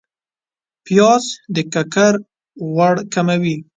پیاز د ککر غوړ کموي